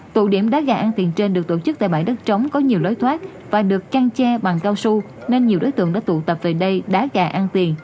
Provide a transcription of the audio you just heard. tụ điểm đá gà ăn tiền trên được tổ chức tại bãi đất trống có nhiều lối thoát và được trăng che bằng cao su nên nhiều đối tượng đã tụ tập về đây đá gà ăn tiền